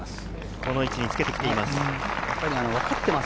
この位置につけてきています。